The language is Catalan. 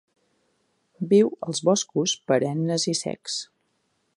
Viu als boscos perennes i secs.